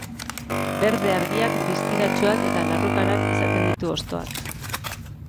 Berde argiak, distiratsuak eta larrukarak izaten ditu hostoak.